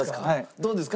どうですか？